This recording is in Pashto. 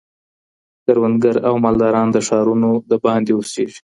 کروندګر او مالداران د ښارونو دباندې اوسيږي.